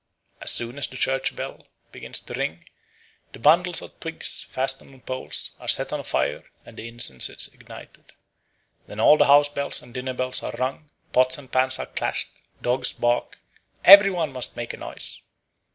As soon as the church bells begin to ring, the bundles of twigs, fastened on poles, are set on fire and the incense is ignited. Then all the house bells and dinner bells are rung, pots and pans are clashed, dogs bark, every one must make a noise.